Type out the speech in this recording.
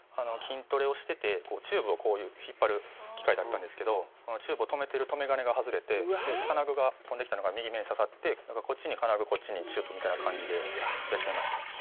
筋トレをしててチューブをこういう引っ張る機械だったんですけどチューブを留めてる留め金が外れて金具が飛んできたのが右目に刺さってこっちに金具こっちにチューブみたいな感じでやっちゃいました。